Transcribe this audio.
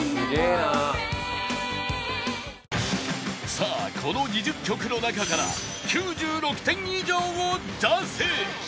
さあこの２０曲の中から９６点以上を出せ！